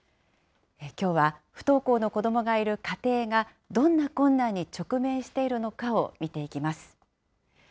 きょうは、不登校の子どもがいる家庭が、どんな困難に直面しているのかを見ていきます。